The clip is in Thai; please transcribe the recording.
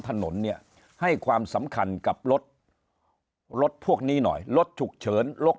ถนนเนี่ยให้ความสำคัญกับรถรถพวกนี้หน่อยรถฉุกเฉินรถ